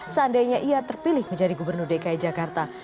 seandainya ia terpilih menjadi gubernur dki jakarta